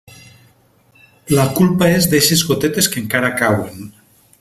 La culpa és d'eixes gotetes que encara cauen.